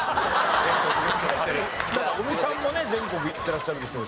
尾美さんもね全国行ってらっしゃるでしょうし。